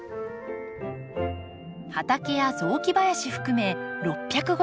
畑や雑木林含め６５０坪。